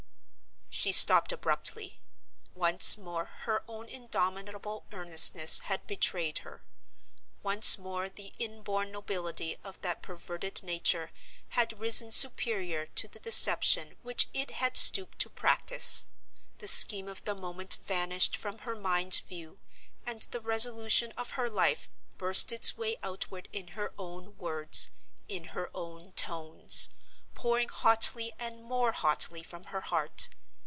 She stopped abruptly. Once more her own indomitable earnestness had betrayed her. Once more the inborn nobility of that perverted nature had risen superior to the deception which it had stooped to practice. The scheme of the moment vanished from her mind's view; and the resolution of her life burst its way outward in her own words, in her own tones, pouring hotly and more hotly from her heart.